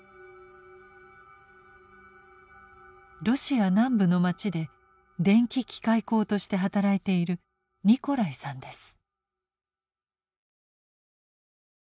ロシア南部の町で電気機械工として働いているニコライさんです。